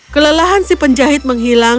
kelelahan si penjahit menghilang